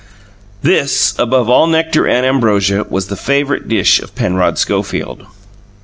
This, above all nectar and ambrosia, was the favourite dish of Penrod Schofield.